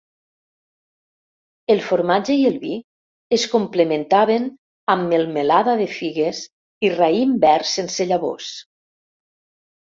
El formatge i el vi es complementaven amb melmelada de figues i raïm verd sense llavors.